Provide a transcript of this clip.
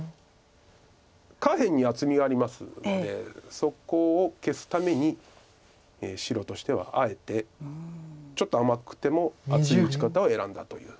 下辺に厚みがありますのでそこを消すために白としてはあえてちょっと甘くても厚い打ち方を選んだという。